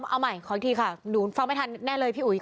เอาใหม่ขออีกทีค่ะหนูฟังไม่ทันแน่เลยพี่อุ๋ย